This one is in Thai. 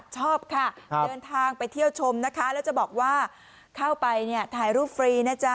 ชอบค่ะเดินทางไปเที่ยวชมนะคะแล้วจะบอกว่าเข้าไปเนี่ยถ่ายรูปฟรีนะจ๊ะ